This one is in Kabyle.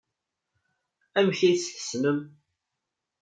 Amek ay tt-tessnem?